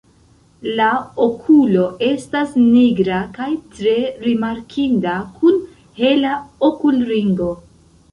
La okulo estas nigra kaj tre rimarkinda kun hela okulringo.